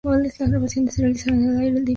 Las grabaciones se realizaron al aire libre.